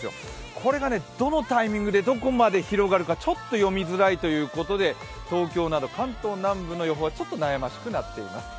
これがどのタイミングでどこまで広がるかちょっと読みづらいということで東京など関東南部の予報はちょっと悩ましくなっています。